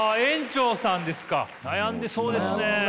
悩んでそうですね。